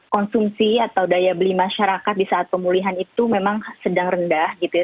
konsumsi atau daya beli masyarakat di saat pemulihan itu memang sedang rendah gitu ya